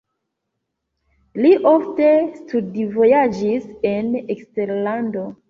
Li ofte studvojaĝis en eksterlando.